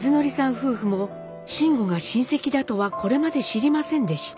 夫婦も辰吾が親戚だとはこれまで知りませんでした。